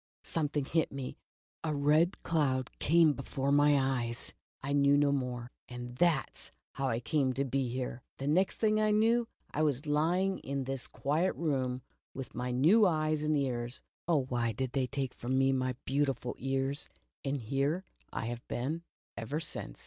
— some thing hit me — a red cloud came before my eyes — I knew no more. And that 's how I came to be The Tiger on the Hudson. ^^^ here. The next thing I knew, I was lying in this quiet room, with new eyes and ears (oh, w^hy did they take from me my beautiful ears ?) and here I have been ever since.